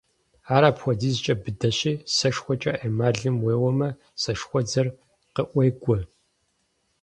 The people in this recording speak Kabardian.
Ар апхуэдизкӀэ быдэщи, сэшхуэкӀэ эмалым уеуэмэ, сэшхуэдзэр къыӀуегуэ.